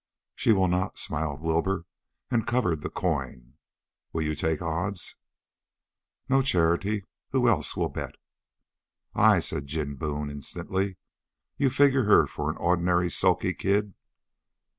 "She will not," smiled Wilbur, and covered the coin. "Will you take odds?" "No charity. Who else will bet?" "I," said Jim Boone instantly. "You figure her for an ordinary sulky kid."